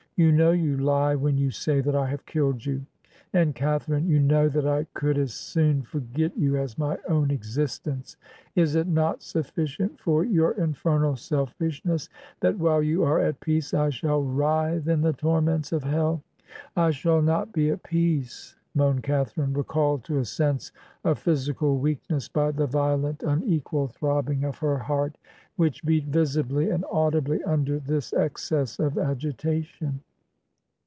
You know you lie When you say that I have lolled you ; and, Catharine, you know that I could as soon forget you as my own existencel Is it not suf ficient for your infernal selfishness that while you are at peace I shall writhe in the torments of hell?' ' I shall not be at peace/ moaned Catharine, recalled to a sense of physical weakness by the violent, unequal throbbing 234 Digitized by VjOOQIC THE TWO CATHARINES OF EMILY BRONTE of her heart, which beat visibly and audibly under this excess of agitation.